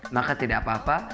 maka tidak apa apa